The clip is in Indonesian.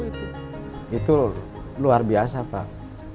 itu luar biasa pak